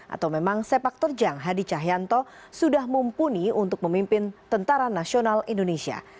atau memang sepak terjang hadi cahyanto sudah mumpuni untuk memimpin tentara nasional indonesia